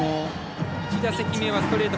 １打席目はストレート